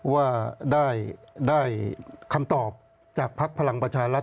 ว่าได้คำตอบจากภักดาลภักดาลภารกิจประชารัฐ